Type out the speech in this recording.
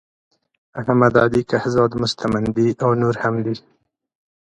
احمد علی کهزاد مستمندي او نور هم دي.